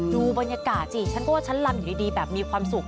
ดูบรรยากาศสิฉันก็ว่าฉันลำอยู่ดีแบบมีความสุข